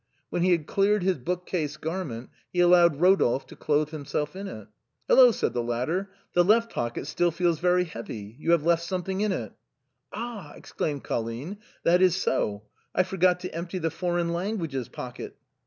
When he had cleared his bookcase garment, he allowed Eodolphe to clothe himself in it. "Hello!" said the latter, "the left pocket still feels very heavy; you have left something in it." " Ah !" exclaimed Colline, " that is so. I forgot to empty the foreign languages pocket."